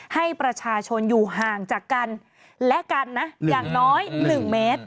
ให้ประชาชนอยู่ห่างจากกันและกันนะอย่างน้อย๑เมตร